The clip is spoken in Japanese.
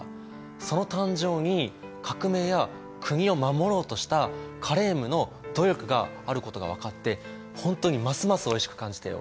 その誕生に革命や国を守ろうとしたカレームの努力があることが分かって本当にますますおいしく感じたよ。